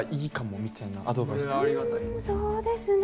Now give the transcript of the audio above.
そうですね。